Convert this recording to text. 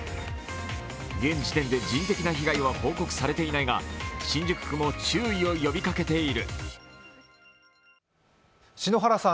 現時点で人的な被害は報告されていないが、新宿区も注意を呼びかけている。